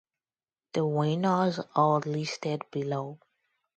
The winners are listed below.